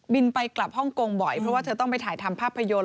ไปกลับฮ่องกงบ่อยเพราะว่าเธอต้องไปถ่ายทำภาพยนตร์